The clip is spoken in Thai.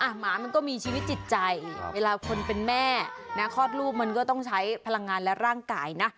หมามันก็มีชีวิตจิตใจเวลาคนเป็นแม่นะคลอดลูกมันก็ต้องใช้พลังงานและร่างกายนะ